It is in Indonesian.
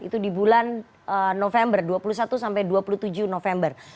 itu di bulan november dua puluh satu sampai dua puluh tujuh november